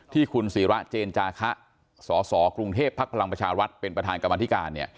ที่คุณศิระเจนจาคะสสกรุงเทพภักดิ์พลังประชารัฐเป็นประธานกรรมธิการ